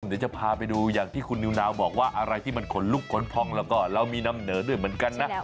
เดี๋ยวจะพาไปดูอย่างที่คุณนิวนาวบอกว่าอะไรที่มันขนลุกขนพองแล้วก็เรามีนำเหนอด้วยเหมือนกันนะ